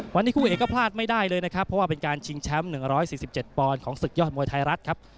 วันนี้คู่เอกก็พลาดไม่ได้เลยนะครับเพราะว่าเป็นการชิงแชมป์๑๔๗ปอนด์ของศึกยอดมวยไทยรัฐครับ